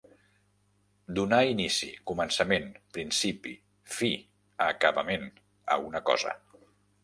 Donar inici, començament, principi, fi, acabament, a una cosa.